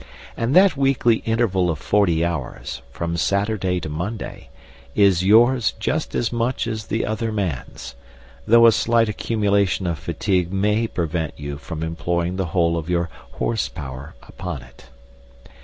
And that weekly interval of forty hours, from Saturday to Monday, is yours just as much as the other man's, though a slight accumulation of fatigue may prevent you from employing the whole of your "h.p." upon it.